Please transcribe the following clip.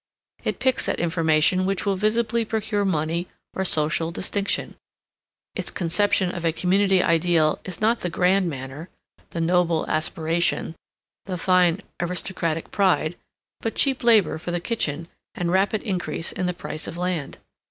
It picks at information which will visibly procure money or social distinction. Its conception of a community ideal is not the grand manner, the noble aspiration, the fine aristocratic pride, but cheap labor for the kitchen and rapid increase in the price of land.